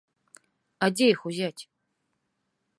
А дзе іх узяць?